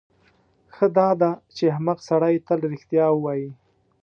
ښه داده چې احمق سړی تل رښتیا ووایي.